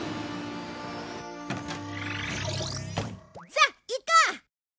さあ行こう！